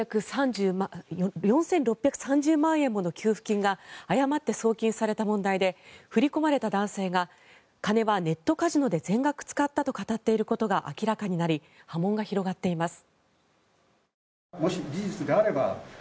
４６３０万円もの給付金が誤って送金された問題で振り込まれた男性が金はネットカジノで全額使ったと語っていることが明らかとなり波紋が広がっています。